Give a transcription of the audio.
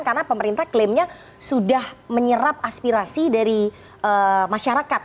karena pemerintah klaimnya sudah menyerap aspirasi dari masyarakat